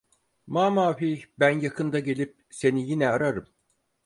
Mamafih ben yakında gelip seni yine ararım.